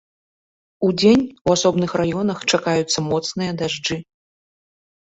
Удзень у асобных раёнах чакаюцца моцныя дажджы.